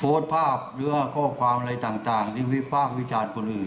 โพสภาพและข้อความอะไรต่างที่วีฟากวิจารณ์คนอื่น